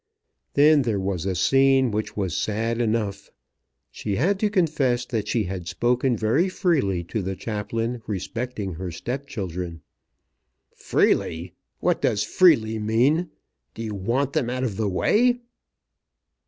Then there was a scene which was sad enough. She had to confess that she had spoken very freely to the chaplain respecting her step children. "Freely! What does freely mean? Do you want them out of the way?"